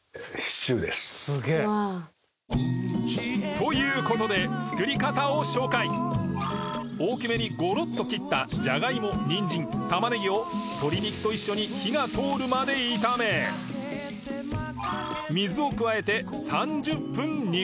という事で大きめにゴロッと切ったじゃがいもにんじんたまねぎを鶏肉と一緒に火が通るまで炒め水を加えて３０分煮込む